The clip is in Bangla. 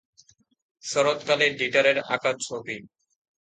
শরৎকালে ডিটারের আঁকা ছবি।